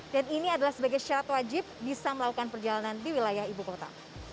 dan ini adalah sebagai syarat wajib bisa melakukan perjalanan di wilayah ibu kota